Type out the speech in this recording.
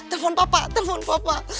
telepon papa telepon papa